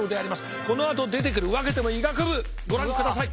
このあと出てくるわけても医学部ご覧ください。